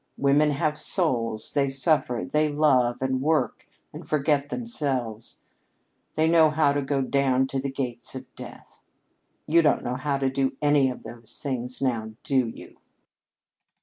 Women have souls; they suffer; they love and work and forget themselves; they know how to go down to the gates of death. You don't know how to do any of those things, now, do you?"